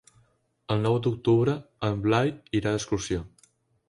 El nou d'octubre en Blai irà d'excursió.